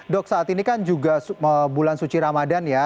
dok saat ini kan juga bulan suci ramadan ya